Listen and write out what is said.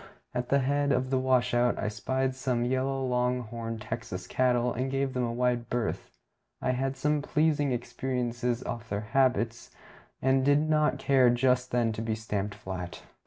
At the head of the washout I spied some yellow long horned Texas cattle, and gave them a wide berth. I had had some pleasing experiences of their habits, and did not care just then to be stamped flat.